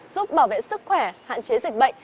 giúp bảo vệ sức khỏe hạn chế dịch bệnh